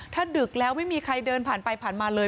ถ้าดึกแล้วไม่มีใครเดินผ่านไปผ่านมาเลย